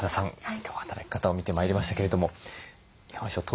今日は働き方を見てまいりましたけれどもいかがでしょう？